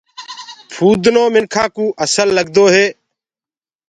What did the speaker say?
ڦُودنو منکآ ڪوُ اسل لگدو هي۔